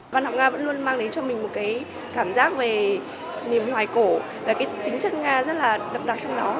văn học nga vẫn luôn mang đến cho mình một cảm giác về niềm hoài cổ và tính chất nga rất là đậm đặc trong đó